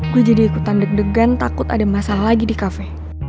gue jadi ikutan deg degan takut ada masalah lagi di kafe